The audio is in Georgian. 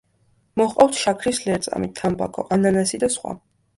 მოჰყავთ შაქრის ლერწამი, თამბაქო, ანანასი და სხვა.